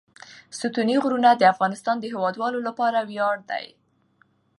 ستوني غرونه د افغانستان د هیوادوالو لپاره ویاړ دی.